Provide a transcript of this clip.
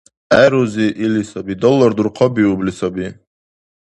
—ГӀе, рузи, или саби, доллар дурхъабиубли саби.